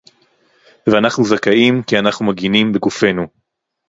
ואנחנו זכאים, כי אנחנו מגינים בגופינו